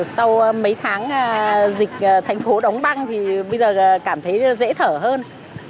sau mấy tháng dịch thành phố đóng băng thì bây giờ cảm thấy dễ thở hơn